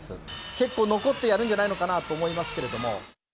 結構残ってやるんじゃないのかなと思いますけれども。